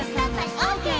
オーケー！」